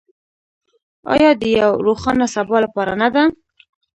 آیا د یو روښانه سبا لپاره نه ده؟